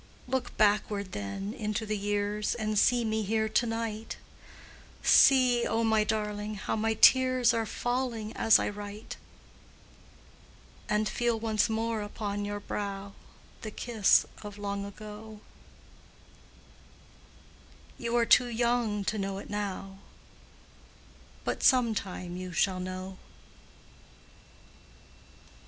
Look backward, then, into the years, And see me here to night See, O my darling! how my tears Are falling as I write; And feel once more upon your brow The kiss of long ago You are too young to know it now, But some time you shall know.